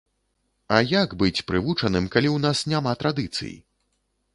А як быць прывучаным, калі ў нас няма традыцый?